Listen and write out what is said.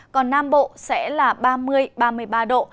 còn nam bộ sẽ là ba mươi ba mươi ba độ